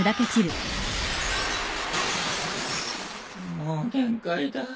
もう限界だ。